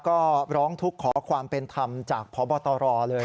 ก็ร้องทุกข์ขอความเป็นธรรมจากพบตรเลย